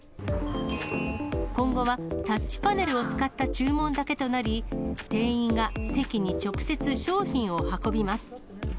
今後は、タッチパネルを使った注文だけとなり、店員が席に直接商品を運びます。